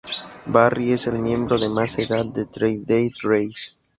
Barry es el miembro de más edad de Three Days Grace.